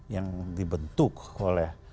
yang dibentuk oleh